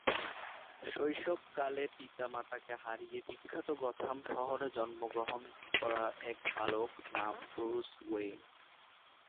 New Zealand cricket দলের পক্ষে আন্তর্জাতিক ক্রিকেটে অংশগ্রহণ করেছেন।